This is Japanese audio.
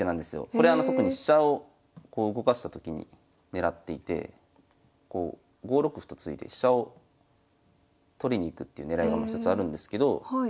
これあの特に飛車をこう動かしたときに狙っていて５六歩と突いて飛車を取りに行くっていう狙いが一つあるんですけど